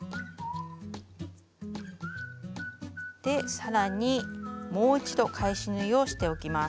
更にもう一度返し縫いをしておきます。